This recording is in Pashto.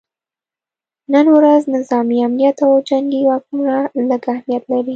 نن ورځ نظامي امنیت او جنګي واکونه لږ اهمیت لري